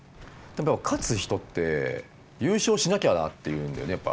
でも勝つ人って「優勝しなきゃな」って言うんだよね